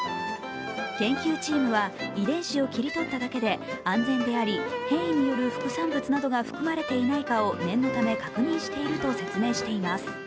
研究チームは遺伝子を切り取っただけで安全であり、変異による副産物などが含まれていないかを念のため確認していると説明しています。